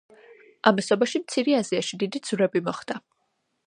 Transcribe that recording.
ამასობაში მცირე აზიაში დიდი ძვრები მოხდა.